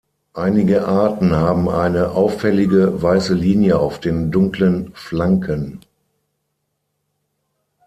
Einige Arten haben eine auffällige weiße Linie auf den dunklen Flanken.